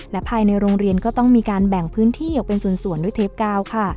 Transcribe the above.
และภายในโรงเรียนก็ต้องมีการแบ่งพื้นที่ออกเป็นส่วนด้วยเทปกาวค่ะ